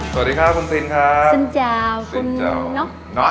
สวัสดีครับคุณสิลค่ะ